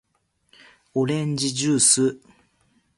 おれんじじゅーす